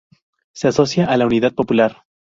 Se asocia a la Unidad Popular.